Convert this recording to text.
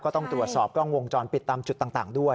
ก็ต้องตรวจสอบกล้องวงจรปิดตามจุดต่างด้วย